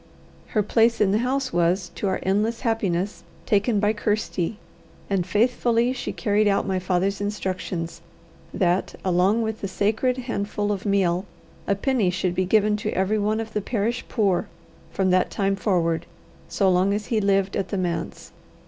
Her place in the house was, to our endless happiness, taken by Kirsty, and faithfully she carried out my father's instructions that, along with the sacred handful of meal, a penny should be given to every one of the parish poor from that time forward, so long as he lived at the manse.